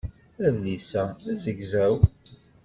Adlis-a d azegzaw.